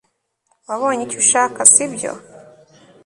wabonye icyo ushaka, sibyo